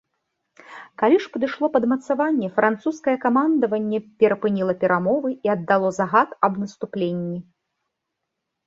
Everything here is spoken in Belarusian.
Калі ж падышло падмацаванне, французскае камандаванне перапыніла перамовы і аддало загад аб наступленні.